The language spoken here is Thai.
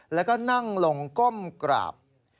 แล้วก็นั่งลงก้มกราบ